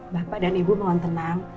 sampe dia birunya yang gimana